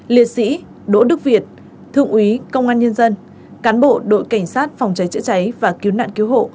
liệt sĩ đỗ đức việt thượng úy công an nhân dân cán bộ đội cảnh sát phòng cháy chữa cháy và cứu nạn cứu hộ